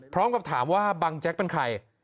พร้อมกับถามว่าบังแจ๊กเป็นใคร